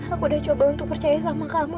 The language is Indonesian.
aku udah coba untuk percaya sama kamu